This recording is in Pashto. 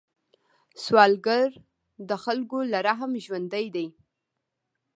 سوالګر د خلکو له رحم ژوندی دی